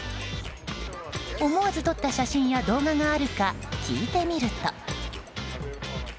思わず撮った写真や動画があるか聞いてみると。